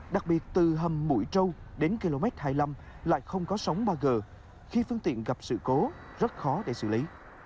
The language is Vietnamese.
đặc biệt từ hầm mũi trâu đến km hai mươi năm lại không có sóng ba g khi phương tiện gặp sự cố rất khó để xử lý